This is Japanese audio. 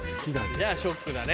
じゃあショックだね。